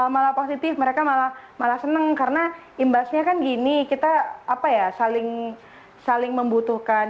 malah positif mereka malah malah seneng karena imbasnya kan gini kita apa ya saling saling membutuhkan